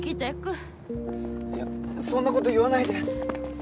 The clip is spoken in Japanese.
いやそんな事言わないで。